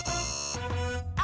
あ。